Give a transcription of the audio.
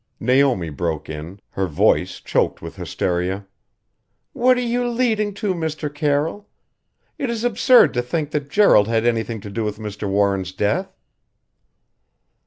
Naomi broke in, her voice choked with hysteria "What are you leading to, Mr. Carroll? It is absurd to think that Gerald had anything to do with Mr. Warren's death."